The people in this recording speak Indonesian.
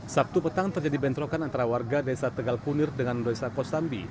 sabtu petang terjadi bentrokan antara warga desa tegal kunir dengan desa kosambi